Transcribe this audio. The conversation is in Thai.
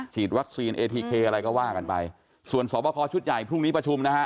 ฉีดวัคซีนเอทีเคอะไรก็ว่ากันไปส่วนสอบคอชุดใหญ่พรุ่งนี้ประชุมนะฮะ